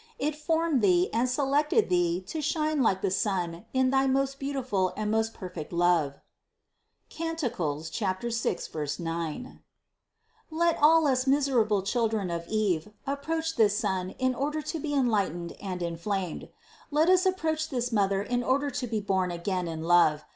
It formed Thee and selected Thee to shine like the sun in thy most beautiful and most perfect love (Cant. 6, 9) ! Let all us miserable children of Eve approach this sun in order to be enlightened and inflamed. Let us ap proach this Mother in order to be born again in love.